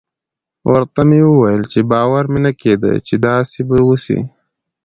ورته ومې ويل چې باور مې نه کېده چې داسې به وسي.